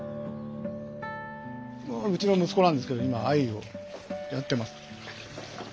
うちの息子なんですけど今藍をやってます。